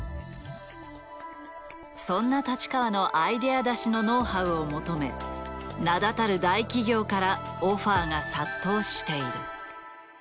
そんな太刀川のアイデア出しのノウハウを求め名だたる大企業からオファーが殺到している。